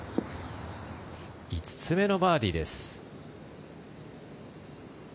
５つ目のバーディーです。